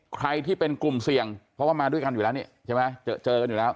ใครที่เป็นกลุ่มเสี่ยงเพราะว่ามาด้วยกันอยู่แล้วนี่